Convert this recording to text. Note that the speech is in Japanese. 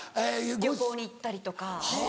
旅行に行ったりとか。